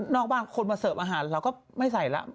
นอกบ้านคนมาเสิร์ฟอาหารเราก็ไม่ใส่แล้ว